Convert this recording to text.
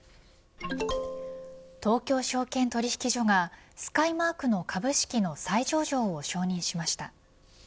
東京証券取引所がスカイマークの株式の再上場を承認しました。